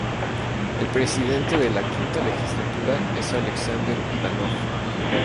El presidente de la V Legislatura es Alexander Ivanov.